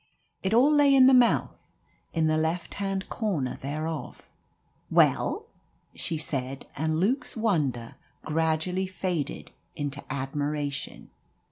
It all lay in the mouth, in the left hand corner thereof. "Well?" she said, and Luke's wonder gradually faded into admiration.